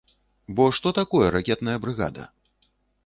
Бо што такое ракетная брыгада?